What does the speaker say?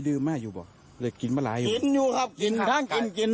เฟี้ยงเข้าครั้งทั่วทาง